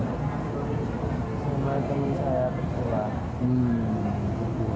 sama teman saya keluar